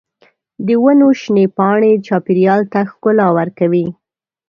د ونو شنې پاڼې چاپېریال ته ښکلا ورکوي.